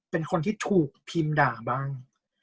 เป็นคนที่ถูกพิมพ์ด่าบ้าง